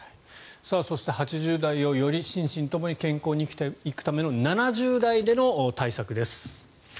そして８０代を、より心身ともに健康に生きていくための７０代での対策です。